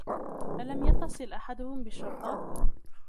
ألم يتصل أحدهم بالشرطة؟